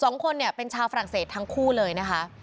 สองคนเนี่ยเป็นชาวฝรั่งเศสทั้งคู่เลยนะคะ